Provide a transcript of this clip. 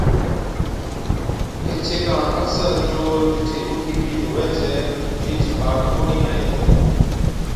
ايڇي ڪاڻ اڪثر چور جِٺي اوڏڪِي ڀِيت هُوَي ڇَي، اُٺِيچ کاٽ ڪونهِي هڻي هِتي۔